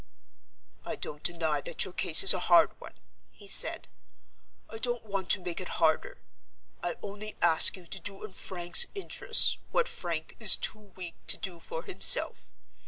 "I don't deny that your case is a hard one," he said. "I don't want to make it harder. I only ask you to do in Frank's interests what Frank is too weak to do for himself.